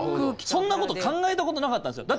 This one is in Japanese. そんなこと考えたことなかったんですよ。